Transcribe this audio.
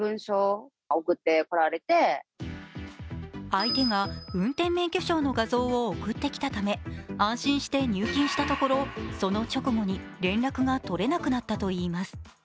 相手が運転免許証の画像を送ってきたため、安心して入金したところ、その直後に連絡が取れなくなったといいます。